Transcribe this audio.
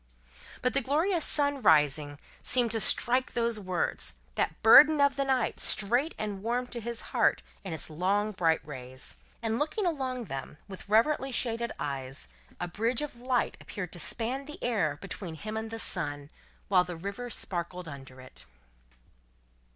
But, the glorious sun, rising, seemed to strike those words, that burden of the night, straight and warm to his heart in its long bright rays. And looking along them, with reverently shaded eyes, a bridge of light appeared to span the air between him and the sun, while the river sparkled under it.